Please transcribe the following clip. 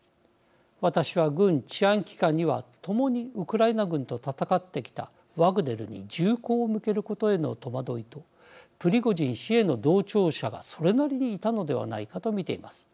私は、軍、治安機関には共にウクライナ軍と戦ってきたワグネルに銃口を向けることへの戸惑いとプリゴジン氏への同調者がそれなりにいたのではないかと見ています。